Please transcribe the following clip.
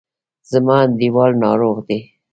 زما انډیوال ناروغ دی.